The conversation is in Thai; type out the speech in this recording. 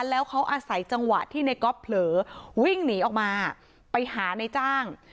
แล้วเขาอาศัยจังหวะที่ในก๊อฟเผลอวิ่งหนีออกมาไปหาในจ้าง